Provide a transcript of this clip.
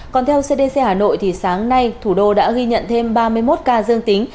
còn theo cdc hà nội thì sáng nay thủ đô đã ghi nhận thêm ba mươi một ca dương tính